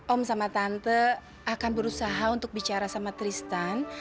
om sama tante akan berusaha untuk bicara sama tristan